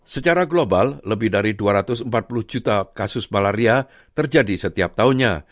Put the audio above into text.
secara global lebih dari dua ratus empat puluh juta kasus malaria terjadi setiap tahunnya